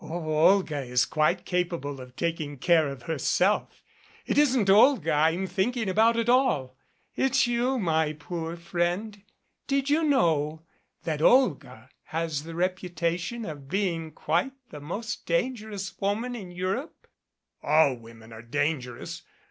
"Oh, Olga is quite capable of taking care of herself. It isn't Olga I'm thinking about at all. It's you, my poor 88 OUT OF HIS DEPTH friend. Did you know that Olga has the reputation of being quite the most dangerous woman in Europe?" "All women are dangerous.